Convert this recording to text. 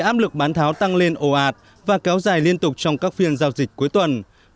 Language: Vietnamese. áp lực bán tháo tăng lên ồ ạt và kéo dài liên tục trong các phiên giao dịch cuối tuần